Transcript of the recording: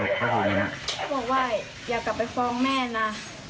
เขาบอกว่าอย่ากลับไปฟ้องแม่นะ